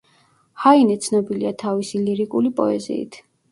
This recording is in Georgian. ჰაინე ცნობილია თავისი ლირიკული პოეზიით.